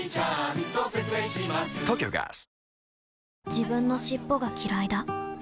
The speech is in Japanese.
自分の尻尾がきらいだ